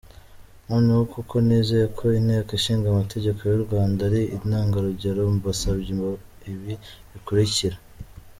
Noneho kuko nizeye ko Inteko Ishinga Amategeko yu Rwanda ari intangarugero, mbasabye ibi bikurikira ;.